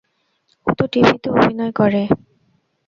ও তো টিভিতে অভিনয় করে।